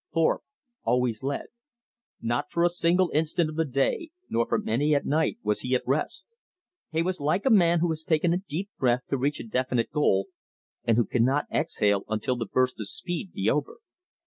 Thorpe always led. Not for a single instant of the day nor for many at night was he at rest. He was like a man who has taken a deep breath to reach a definite goal, and who cannot exhale until the burst of speed be over.